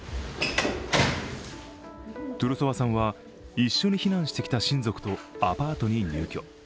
トゥルソワさんは一緒に避難してきた親族とアパートに入居。